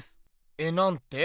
えなんて？